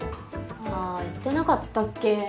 あ言ってなかったっけ。